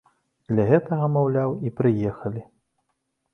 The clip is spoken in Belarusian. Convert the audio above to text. Для гэтага, маўляў, і прыехалі.